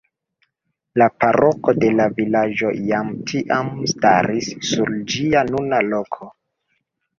La paroko de la vilaĝo jam tiam staris sur ĝia nuna loko.